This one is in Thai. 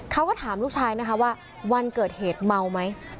เขาก็ถามลูกชายนะคะว่าวันเกิดเหตุเมาไหม